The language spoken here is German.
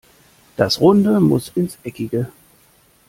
Das Runde muss ins Eckige.